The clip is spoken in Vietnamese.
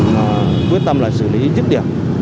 và quyết tâm là xử lý dứt điểm